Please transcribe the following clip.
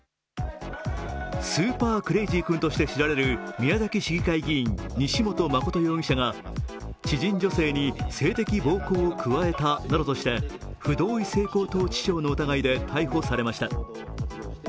スーパークレイジー君として知られる宮崎市議会議員、西本誠容疑者が知人女性に性的暴行を加えたなどとして不同意性交等致傷の疑いで逮捕されました。